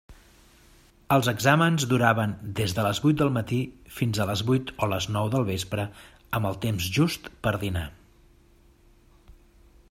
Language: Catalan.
Els exàmens duraven des de les vuit del matí, fins a les vuit o les nou del vespre, amb el temps just per a dinar.